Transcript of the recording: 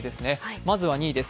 まずは２位です。